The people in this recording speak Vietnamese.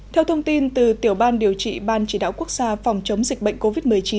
theo thông tin từ tiểu ban điều trị ban chỉ đạo quốc gia phòng chống dịch bệnh covid một mươi chín